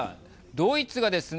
ドイツがですね